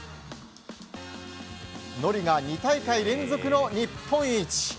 ＮＯＲＩが２大会連続の日本一。